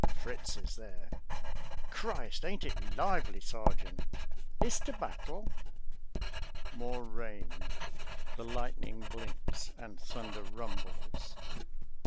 "Fritz is there! Christ, ain't it lively, Sergeant? Is't a battle?" More rain: the lightning blinks, and thunder rumbles.